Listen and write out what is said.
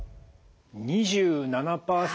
２７％